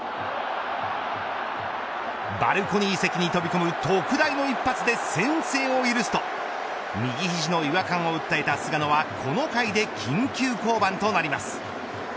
バルコニー席に飛び込む特大の一発で先制を許すと右肘の違和感を訴えた菅野はこの回で緊急降板となります。